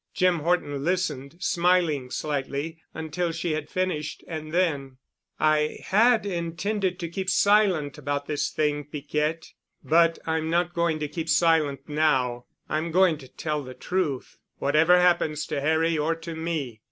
Jim Horton listened, smiling slightly, until she had finished. And then, "I had intended to keep silent about this thing, Piquette. But I'm not going to keep silent now. I'm going to tell the truth, whatever happens to Harry or to me.